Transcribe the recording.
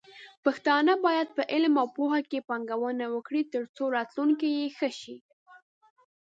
پښتانه بايد په علم او پوهه کې پانګونه وکړي، ترڅو راتلونکې يې ښه شي.